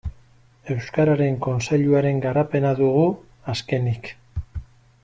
Euskararen Kontseiluaren garapena dugu azkenik.